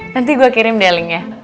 nanti gue kirim deh linknya